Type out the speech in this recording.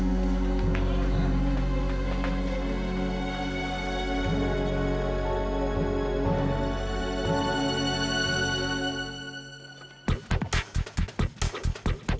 selamat siang siapa ya